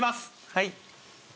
はい。